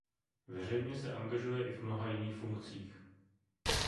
Veřejně se angažuje i v mnoha jiných funkcích.